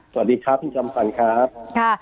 สวัสดีครับที่เติมอุพันตร์ครับ